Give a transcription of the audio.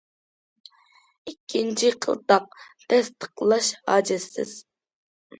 ئىككىنچى قىلتاق:« تەستىقلاش ھاجەتسىز».